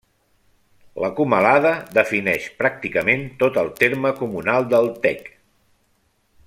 La Comalada defineix pràcticament tot el terme comunal del Tec.